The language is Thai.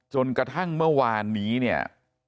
จนกระทั่งเมื่อวานนี้เนี่ย